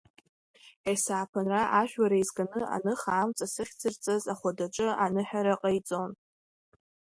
Есааԥынра ажәлар еизганы, Аныха амҵа зыхьӡырҵаз ахәадаҿы, аныҳәара ҟаиҵон.